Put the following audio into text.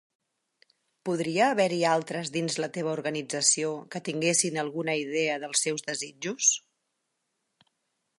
Podria haver-hi altres dins la teva organització que tinguessin alguna idea dels seus desitjos?